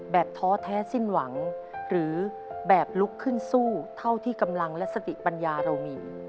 ท้อแท้สิ้นหวังหรือแบบลุกขึ้นสู้เท่าที่กำลังและสติปัญญาเรามี